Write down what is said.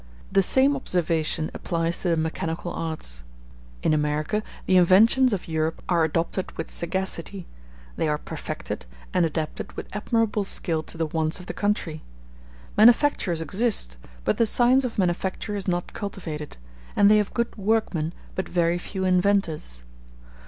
The same observation applies to the mechanical arts. In America, the inventions of Europe are adopted with sagacity; they are perfected, and adapted with admirable skill to the wants of the country. Manufactures exist, but the science of manufacture is not cultivated; and they have good workmen, but very few inventors.